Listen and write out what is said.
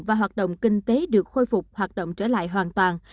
và hoạt động kinh tế được khôi phục hoạt động trở lại hoàn toàn